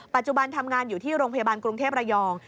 ปัจจุบันทำงานอยู่ที่โรงพยาบาลกรุงเทพระยอง